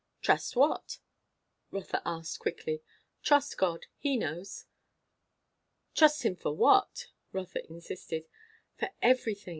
"Trust what?" Rotha asked quickly. "Trust God. He knows." "Trust him for what?" Rotha insisted. "For everything.